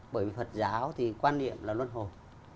bởi vì phật giáo thì quan niệm là luân hồ